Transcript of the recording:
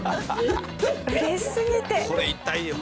これ痛いよ。